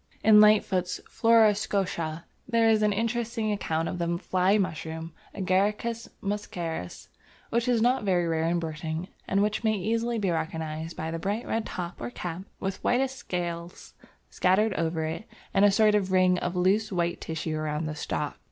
In Lightfoot's Flora Scotica, there is an interesting account of the Fly Mushroom (Agaricus muscarius) which is not very rare in Britain, and which may be easily recognized by the bright red top or cap, with whitish scales scattered over it, and a sort of ring of loose white tissue round the stalk.